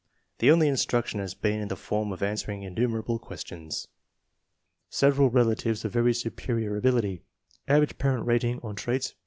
The only instruction has been in the form of answering innumerable questions. Several relatives of very superior ability. Average parent rating on traits, 2.